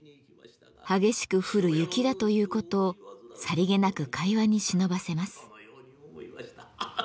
激しく降る雪だということをさりげなく会話にしのばせます。